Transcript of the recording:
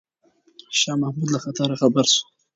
شاه محمود له خطره خبر شو.